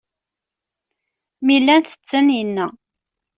Mi llan tetten, inna.